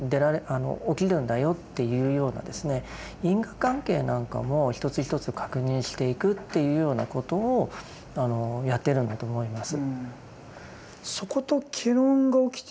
因果関係なんかも一つ一つ確認していくっていうようなことをやっているんだと思います。